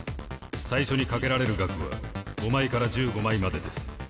最初に賭けられる額は５枚から１５枚までです。